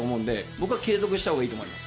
僕個人的にはしたほうがいいと思います。